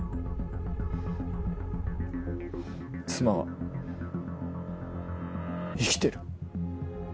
妻は生きてる。